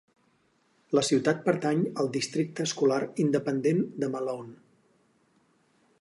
La ciutat pertany al districte escolar independent de Malone.